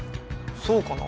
そうかな？